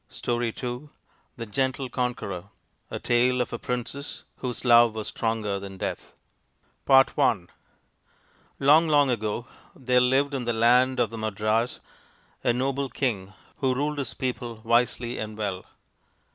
STORY II THE GENTLE CONQUEROR A Tale of a Princess whose Love was stronger than Death THE GENTLE CONQUEROR LONG long ago there lived in the land of the Madras a noble king who ruled his people wisely and well.